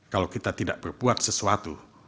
kalau kita tidak berbuat sesuatu